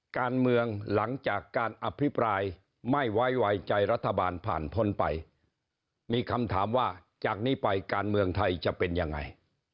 การเมืองหลังจากการอภิปรายไม่ไว้วางใจรัฐบาลผ่านพ้นไปมีคำถามว่าจากนี้ไปการเมืองไทยจะเป็นยังไง